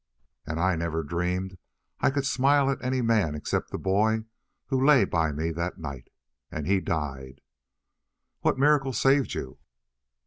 "And I never dreamed I could smile at any man except the boy who lay by me that night. And he died." "What miracle saved you?"